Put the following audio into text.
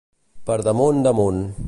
Per damunt damunt.